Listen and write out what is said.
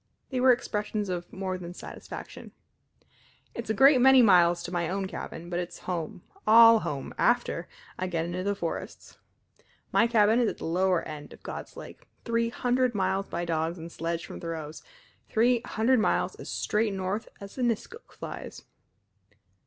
They were expressions of more than satisfaction. "It's a great many miles to my own cabin, but it's home all home after I get into the forests. My cabin is at the lower end of God's Lake, three hundred miles by dogs and sledge from Thoreau's three hundred miles as straight north as a niskuk flies."